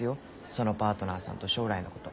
そのパートナーさんと将来のこと。